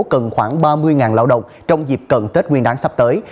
cần khoảng ba mươi lao động trong dịp cận tết nguyên đáng sắp tới